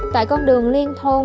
tại con đường liên thôn